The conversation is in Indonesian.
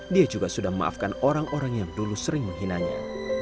dia juga sudah memaafkan orang orang yang dulu sering menghinanya